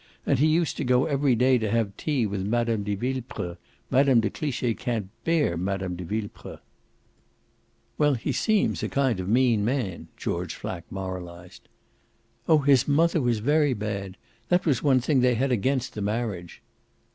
And he used to go every day to have tea with Mme. de Villepreux. Mme. de Cliche can't bear Mme. de Villepreux." "Well, he seems a kind of MEAN man," George Flack moralised. "Oh his mother was very bad. That was one thing they had against the marriage."